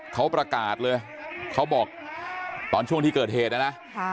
เขาประกาศเลยเขาบอกตอนช่วงที่เกิดเหตุนะนะ